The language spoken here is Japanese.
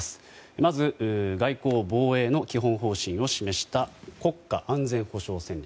まず外交・防衛の基本方針を示した国家安全保障戦略。